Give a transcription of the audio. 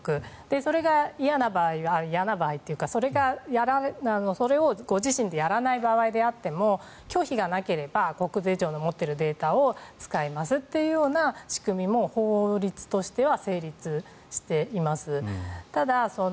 それが嫌な場合嫌な場合というかそれをご自身でやらない場合であっても拒否がなければ国税庁の持っているデータを使いますというような仕組みも法律としては成立しています。